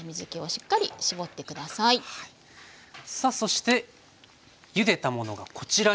さあそしてゆでたものがこちらになります。